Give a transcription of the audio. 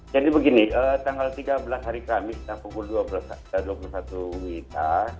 jadi begini tanggal tiga belas hari kamis pukul dua belas dua puluh satu wib